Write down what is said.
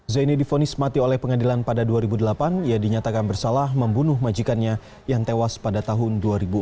zaini difonis mati oleh pengadilan pada dua ribu delapan ia dinyatakan bersalah membunuh majikannya yang tewas pada tahun dua ribu empat